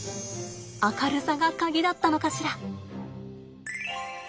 明るさが鍵だったのかしら。